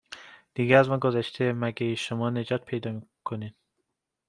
دیگه از ما گذشت مگه شما نجات پیدا کنین